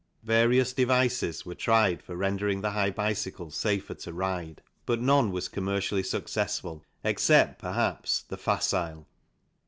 Various devices were tried for rendering the high bicycle safer to ride, but none was commercially successful except, perhaps, the Facile.